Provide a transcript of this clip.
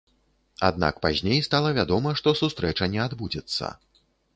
Аднак пазней стала вядома, што сустрэча не адбудзецца.